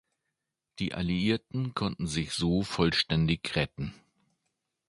Die Alliierten konnten sich so vollständig retten.